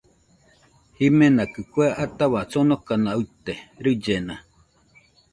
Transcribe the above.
Jimenakɨ kue atahua sonokana uite, rillena